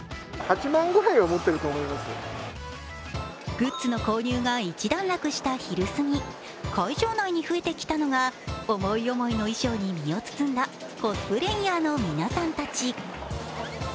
グッズの購入が一段落した昼過ぎ、会場内に増えてきたのが思い思いの衣装に身を包んだコスプレーヤーの皆さんたち。